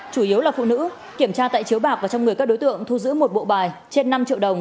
chủ yếu là phụ nữ kiểm tra tại chiếu bạc và trong người các đối tượng thu giữ một bộ bài trên năm triệu đồng